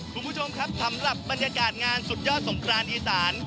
คุณผู้ชมครับสำหรับบรรยากาศงานสุดยอดสงครานอีสาน